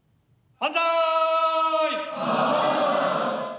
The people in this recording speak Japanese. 万歳！